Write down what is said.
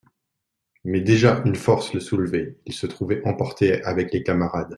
Mais déjà une force le soulevait, il se trouvait emporté avec les camarades.